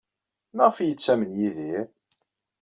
Maɣef ay yettamen Yidir?